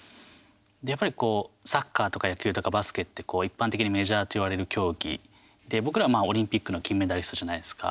やっぱり、サッカーとか野球とかバスケってこう一般的にメジャーといわれる競技で僕らはオリンピックの金メダリストじゃないですか。